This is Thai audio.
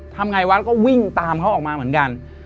ทำไงวะก็วิ่งตามเขาออกมาเหมือนกัน